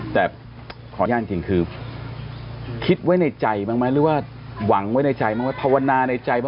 แต่ขออนุญาตจริงคือคิดไว้ในใจมั้ยหรือว่าหวังไว้ในใจมั้ยหรือว่าภาวนาในใจมั้ย